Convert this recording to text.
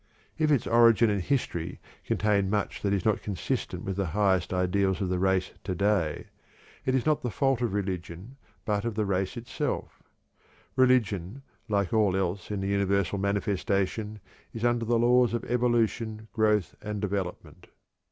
If its origin and history contain much that is not consistent with the highest ideals of the race to day, it is not the fault of religion but of the race itself. Religion, like all else in the universal manifestation, is under the laws of evolution, growth, and development.